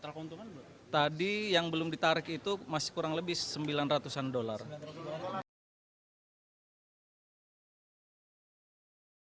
kb mengatakan bahwa kesehatan pemeriksaan adalah hal yang sangat penting untuk memperoleh keuntungan finansial dari usaha kb